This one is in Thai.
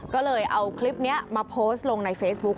ก็เลยเอาคลิปนี้มาโพสต์ลงในเฟซบุ๊ค